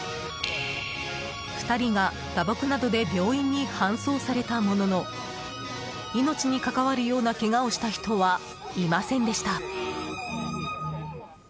２人が打撲などで病院に搬送されたものの命に関わるようなけがをした人はいませんでした。